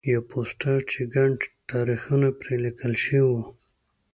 یو پوسټر چې ګڼ تاریخونه پرې لیکل شوي وو.